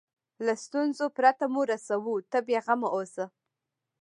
له ستونزو پرته مو رسوو ته بیغمه اوسه.